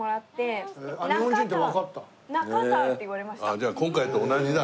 じゃあ今回と同じだ。